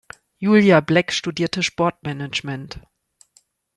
Julia Bleck studierte Sportmanagement.